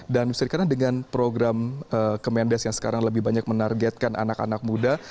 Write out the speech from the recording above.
dan bisa dikatakan dengan program kementerian desa yang sekarang lebih banyak menargetkan anak anak muda